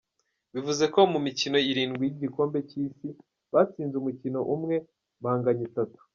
Bivuze ko mu mikino irindwi y’igikombe cy’Isi, batsinze umukino umwe banganya itatu.